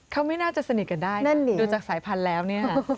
เขาไม่น่าจะสนิทกันได้ดูจากสายพันธุ์แล้วเนี่ย